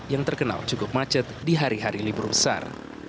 yang terkenal cukup macet di hari hari libur besar